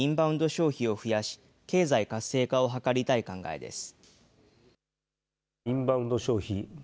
消費を増やし、経済活性化を図りたい考えです。